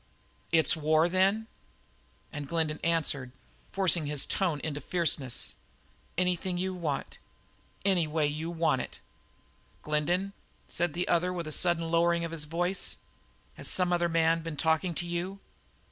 "Is it war, then?" And Glendin answered, forcing his tone into fierceness: "Anything you want any way you want it!" "Glendin," said the other with a sudden lowering of his voice, "has some other man been talking to you?"